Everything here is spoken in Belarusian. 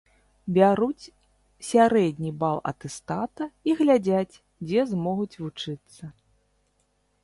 Бяруць сярэдні бал атэстата і глядзяць, дзе змогуць вучыцца.